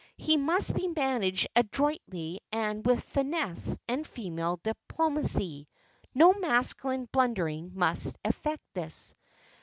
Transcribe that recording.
He must be managed adroitly and with finesse and female diplomacy no masculine blundering must effect this.